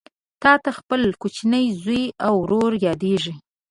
تاته خپل کوچنی زوی او ورور یادیږي